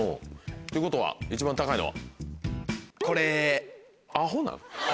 ってことは一番高いのは？